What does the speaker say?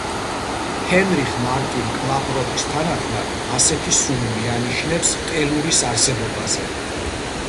ჰენრიხ მარტინ კლაპროტის თანახმად, ასეთი სუნი მიანიშნებს ტელურის არსებობაზე.